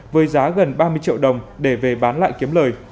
với giá gần ba mươi triệu đồng để về bán lại kiếm lời